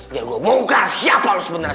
biar gua buka siapa lo sebenarnya